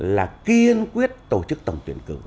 là kiên quyết tổ chức tổng tuyển cử